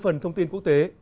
phần thông tin quốc tế